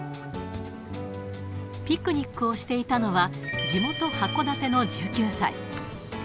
ピクニックをしていたのは、地元函館の１９歳。